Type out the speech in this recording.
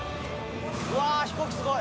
うわー、飛行機、すごい。